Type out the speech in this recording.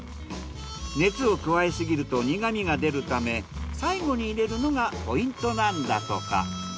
熱を加えすぎると苦味が出るため最後に入れるのがポイントなんだとか。